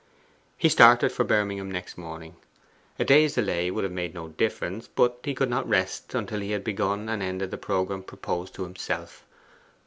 He started for Birmingham the next morning. A day's delay would have made no difference; but he could not rest until he had begun and ended the programme proposed to himself.